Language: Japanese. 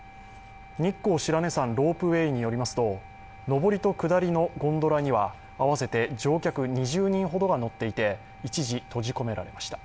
日光白根山ロープウェイによりますと、上りと下りのゴンドラには合わせて乗客２０人ほどが乗っていて一時、閉じ込められました。